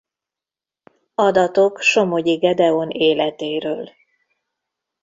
Adatok Somogyi Gedeon életéről.